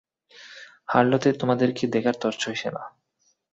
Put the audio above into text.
হার্লোতে তোমাদেরকে দেখার তর সইছে না।